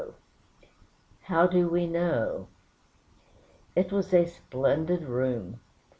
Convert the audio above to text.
HOW DO WE KNOW It was a splendid room.